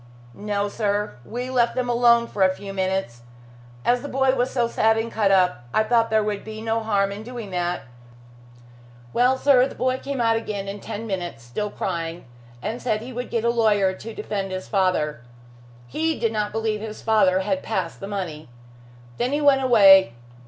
"No, sir. We left them alone for a few minutes. As the boy was so sad and cut up, I thought there would be no harm in doing that. Well, sir, the boy came out again in ten minutes, still crying, and said he would get a lawyer to defend his father. He did not believe his father had passed the money. Then he went away.